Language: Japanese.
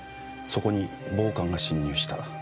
そこに暴漢が侵入した。